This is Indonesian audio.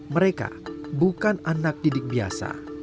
mereka bukan anak didik biasa